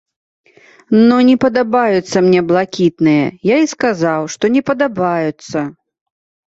Ну, не падабаюцца мне блакітныя, я і сказаў, што не падабаюцца.